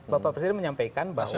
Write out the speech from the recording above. bapak presiden menyampaikan bahwa